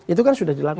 itu kan sudah dilakukan